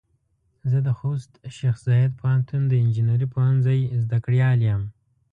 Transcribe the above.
زه د خوست شیخ زايد پوهنتون د انجنیري پوهنځۍ زده کړيال يم.